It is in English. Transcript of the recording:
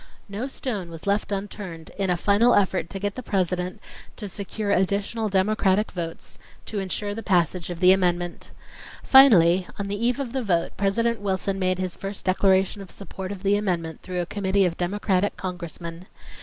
No stone was left unturned in a final effort to get the President to secure additional Democratic votes to insure the passage of the amendment. Finally, on the eve of the vote President Wilson made his first declaration of support of the amendment through a committee of Democratic Congressmen.